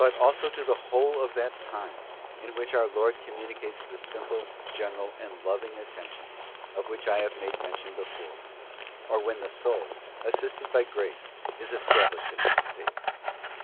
also to the whole of that time, in which our Lord communi cates the simple, general, and loving attention, of which I have made mention before, or when the soul, assisted by grace, is established in that state.